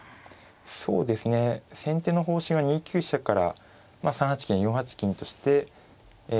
そうですね先手の方針は２九飛車から３八金４八金としてえ